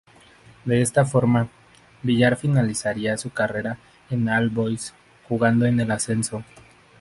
De esta forma, Villar finalizaría su carrera en All Boys, jugando en el Ascenso.